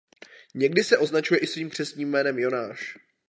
Někdy se označuje i svým křestním jménem "Jonáš".